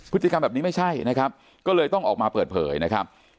พฤติกรรมแบบนี้ไม่ใช่นะครับก็เลยต้องออกมาเปิดเผยนะครับ